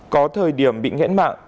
có thời điểm bị nghẽn mạng